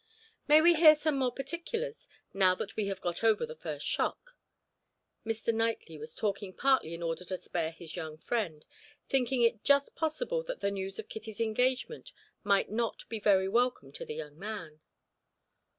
May we hear some more particulars, now that we have got over the first shock?" Mr. Knightley was talking partly in order to spare his young friend, thinking it just possible that the news of Kitty's engagement might not be very welcome to the young man.